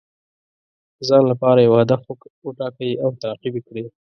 د ځان لپاره یو هدف وټاکئ او تعقیب یې کړئ.